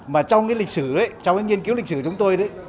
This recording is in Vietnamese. mà trong cái lịch sử đấy trong cái nghiên cứu lịch sử chúng tôi đấy